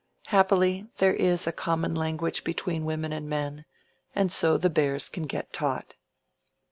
Happily, there is a common language between women and men, and so the bears can get taught."